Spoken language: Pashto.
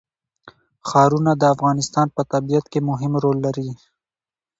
ښارونه د افغانستان په طبیعت کې مهم رول لري.